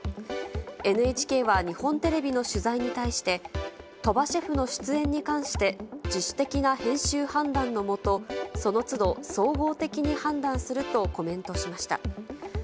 ＮＨＫは日本テレビの取材に対して、鳥羽シェフの出演に関して、自主的な編集判断のもと、そのつど、総合的に判断するとコメントしました。